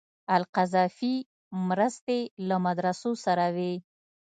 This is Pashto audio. القذافي مرستې له مدرسو سره وې.